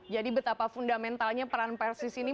jadi betapa fundamentalnya peran pers di sini